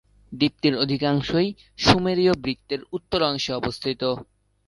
দ্বীপটির অধিকাংশই সুমেরীয় বৃত্তের উত্তর অংশে অবস্থিত।